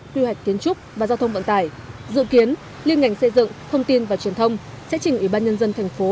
quy hoạch kiến trúc và giao thông vận tải dự kiến liên ngành xây dựng thông tin và truyền thông sẽ chỉnh ủy ban nhân dân thành phố